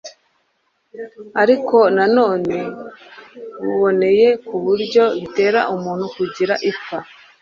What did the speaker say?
ariko na none buboneye ku buryo bitera umuntu kugira ipfa